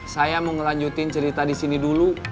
saya mau ngelanjutin cerita di sini dulu